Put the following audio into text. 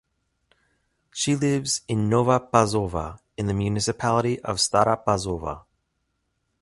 She lives in Nova Pazova in the municipality of Stara Pazova.